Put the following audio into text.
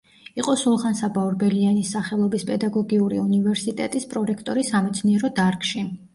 იყო სულხან-საბა ორბელიანის სახელობის პედაგოგიური უნივერსიტეტის პრორექტორი სამეცნიერო დარგში.